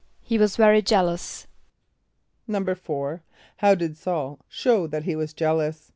=He was very jealous.= =4.= How did S[a:]ul show that he was jealous?